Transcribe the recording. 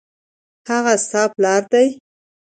هغه ستا پلار دی